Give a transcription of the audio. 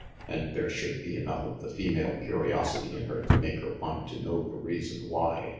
And there should be RANGY PETE 33 enough of the female curiosity in her to make her want to know the reason why.